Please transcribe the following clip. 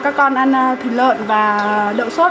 các con ăn thịt lợn và đậu sốt